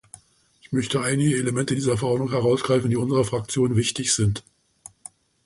Ich möchte einige Elemente dieser Verordnung herausgreifen, die unserer Fraktion wichtig sind.